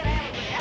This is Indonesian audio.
ngerti gak bep